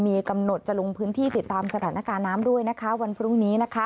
มีกำหนดจะลงพื้นที่ติดตามสถานการณ์น้ำด้วยนะคะวันพรุ่งนี้นะคะ